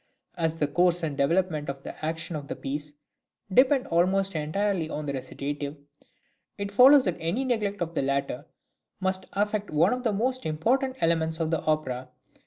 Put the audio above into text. As the course and development of the action of the piece depend almost entirely on the recitative, it follows that any neglect of the latter must affect one of the most important elements of the opera.